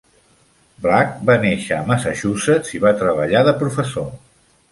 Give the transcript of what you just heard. Black va néixer a Massachusetts i va treballar de professor.